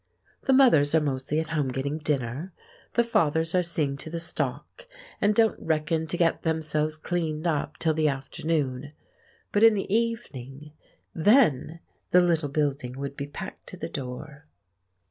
The mothers are mostly at home getting dinner; the fathers are seeing to the stock, and don't reckon to get themselves "cleaned up" till the afternoon. But in the evening—then the little building would be packed to the door.